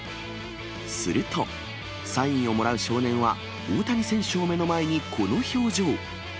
すると、サインをもらう少年は、大谷選手を目の前にこの表情。